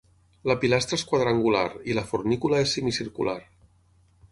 La pilastra és quadrangular i la fornícula és semicircular.